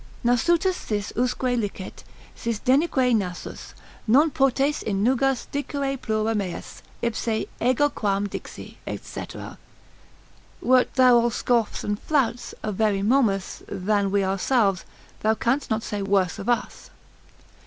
Nasutus cis usque licet, sis denique nasus: Non potes in nugas dicere plura meas, Ipse ego quam dixi, &c. Wert thou all scoffs and flouts, a very Momus, Than we ourselves, thou canst not say worse of us.